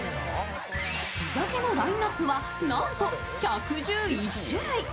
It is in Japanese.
地酒のラインナップはなんと１１１種類。